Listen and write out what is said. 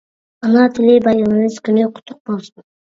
ئانا تىلى بايرىمىمىز كۈنى قۇتلۇق بولسۇن!